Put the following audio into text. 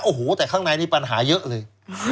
โอ้โหแต่ข้างในนี่ปัญหาเยอะเลย